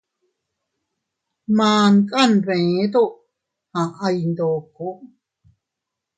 Man kanbeeto aʼay ndoko.